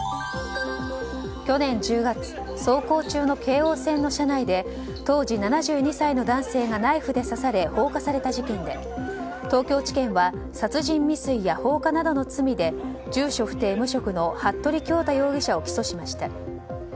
去年１０月走行中の京王線の車内で当時７２歳の男性がナイフで刺され放火された事件で東京地検は殺人未遂や放火などの罪で住所不定・無職の服部恭太容疑者を起訴しました。